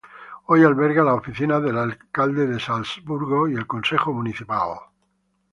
Hoy alberga las oficinas del alcalde de Salzburgo y el consejo municipal.